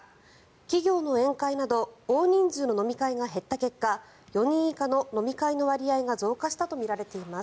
企業の宴会など大人数の飲み会が減った結果４人以下の飲み会の割合が増加したとみられています。